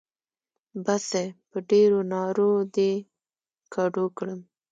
بس دی؛ په ډېرو نارو دې کدو کړم.